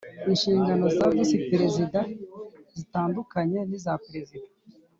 inshingano za visi perezida zitandukanye niza perezida